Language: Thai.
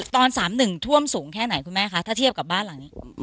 ตอน๓๑ท่วมสูงแค่ไหนคุณแม่คะถ้าเทียบกับบ้านหลังนี้